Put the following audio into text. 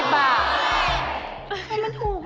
๔๐บาท